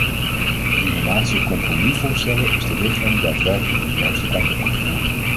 In de laatste compromisvoorstellen is de richtlijn daadwerkelijk de juiste kant op gegaan.